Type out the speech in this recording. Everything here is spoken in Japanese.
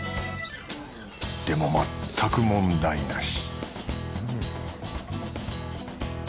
でもまったく問題なし